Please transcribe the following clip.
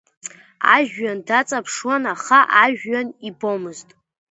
Ажәҩан даҵаԥшуан, аха ажәҩан ибомызт.